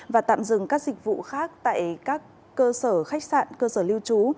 và tạm dừng các dịch vụ khác tại các cơ sở khách sạn cơ sở lưu trú